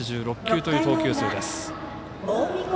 ８６球という投球数です。